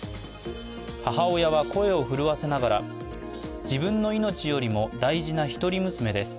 母親は声を震わせながら自分の命よりも大事な一人娘です。